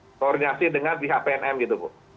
melakukan koordinasi dengan pihak pnm gitu bu